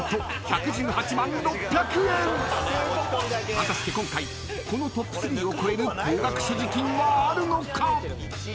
［果たして今回このトップ３を超える高額所持金はあるのか？］